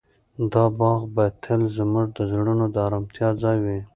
دا باغ به تل زموږ د زړونو د ارامتیا ځای وي.